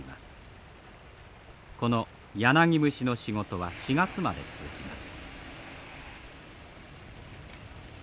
このヤナギムシの仕事は４月まで続きます。